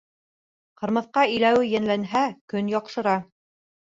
Ҡырмыҫҡа иләүе йәнләнһә көн яҡшыра.